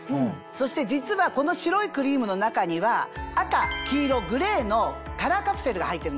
そして実はこの白いクリームの中には赤黄色グレーのカラーカプセルが入ってるんですね。